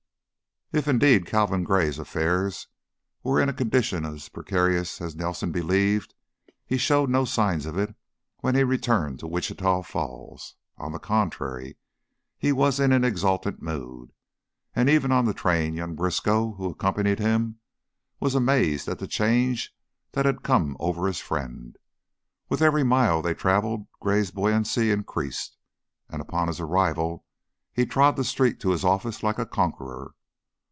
If, indeed, Calvin Gray's affairs were in a condition as precarious as Nelson believed, he showed no signs of it when he returned to Wichita Falls. On the contrary, he was in an exultant mood, and even on the train young Briskow, who accompanied him, was amazed at the change that had come over his friend. With every mile they traveled Gray's buoyancy increased and upon his arrival he trod the street to his office like a conqueror.